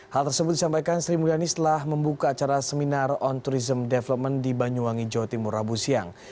hal tersebut disampaikan sri mulyani setelah membuka acara seminar on tourism development di banyuwangi jawa timur rabu siang